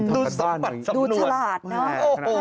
ดูสมบัติสำนวนโอ้โฮดูฉลาดนะ